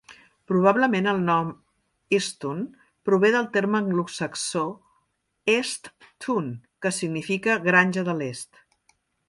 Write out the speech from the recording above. Probablement, el nom Easton prové del terme anglosaxó "East Tun", que significa "granja de l'est".